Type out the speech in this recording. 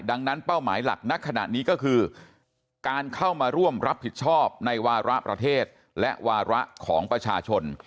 ดังนั้นเป้าหมายหลักณขณะนี้ก็คือการเข้ามาร่วมรับผิดชอบในวาระประเทศและวาระของประชาชน